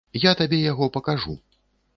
Я табе яго пакажу.